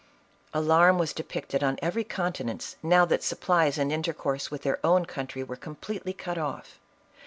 Alarm was depicted on every countenance, now that supplies and intercourse with their own country were completely cut off.